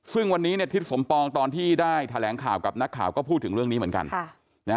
ซึ่งวันนี้ทิศสมปองตอนที่ได้แถลงข่าวกับนักข่าวก็พูดถึงเรื่องนี้เหมือนกัน